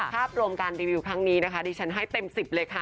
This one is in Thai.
ภาพรวมการรีวิวครั้งนี้นะคะดิฉันให้เต็ม๑๐เลยค่ะ